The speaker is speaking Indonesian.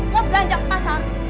mau ganjak pasar